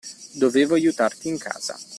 Dovevo aiutare in casa.